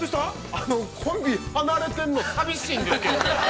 コンビ離れているの寂しいんですけどね。